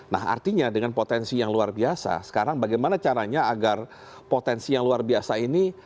nah artinya dengan potensi yang luar biasa sekarang bagaimana caranya agar potensi yang luar biasa ini